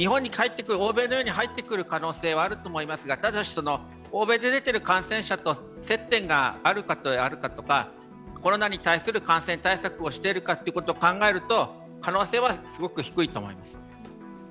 日本に入ってくる可能性はあると思いますが、ただし、欧米で出ている感染者と接点があるかとか、コロナに対する感染対策をしているかっていうことを考えると可能性はすごく低いと思います。